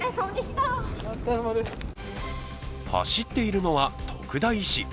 走っているのは徳田医師。